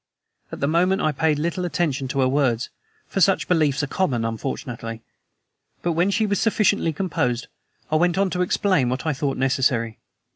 At the moment I paid little attention to her words, for such beliefs are common, unfortunately; but when she was sufficiently composed I went on to explain what I thought necessary.